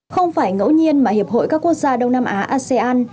không phải ngẫu nhiên mà hiệp hội các quốc gia đông nam á asean